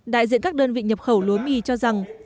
đại diện các đơn vị nhập khẩu lúa mì cho rằng